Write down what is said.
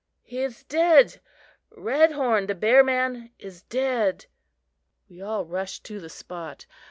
"He is dead! Redhorn, the bear man, is dead!" We all rushed to the spot.